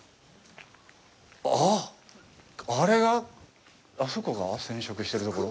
あっ、あれがあそこが染色しているところ？